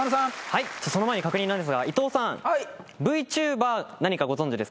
はいその前に確認なんですがいとうさん。